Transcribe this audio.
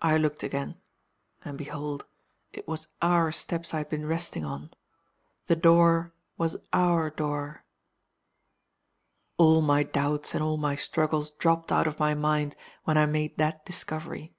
I looked again. And behold, it was our steps I had been resting on. The door was our door. "All my doubts and all my struggles dropped out of my mind when I made that discovery.